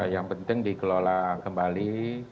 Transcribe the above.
yang penting dikelola kembali